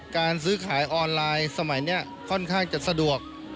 การซื้อขายออนไลน์สมัยนี้ค่อนข้างจะสะดวก